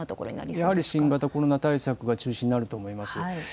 やはり新型コロナ対策が中心になると思います。